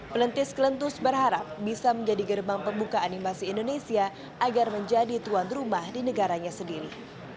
pelentis kelentus berharap bisa menjadi gerbang pembuka animasi indonesia agar menjadi tuan rumah di negaranya sendiri